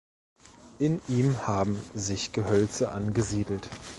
In ihm haben sich Gehölze angesiedelt.